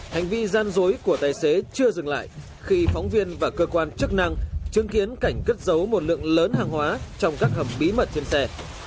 hành vi gian dối của tài xế chưa dừng lại khi phóng viên và cơ quan chức năng chứng kiến cảnh cất giấu một lượng lớn hàng hóa trong các hầm bí mật trên xe